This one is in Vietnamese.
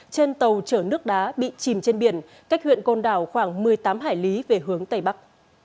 trên tàu chở nước đá bị chìm trên biển cách huyện côn đảo khoảng một mươi tám hải lý về hướng tây bắc